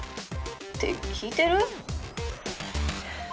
「って聞いてる？」。